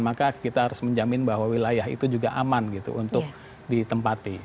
maka kita harus menjamin bahwa wilayah itu juga aman gitu untuk ditempati